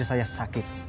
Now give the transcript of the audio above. jadi saya sakit